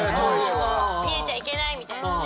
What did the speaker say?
見えちゃいけないみたいなね。